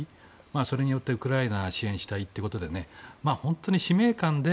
それによってウクライナを支援したいということで本当に使命感で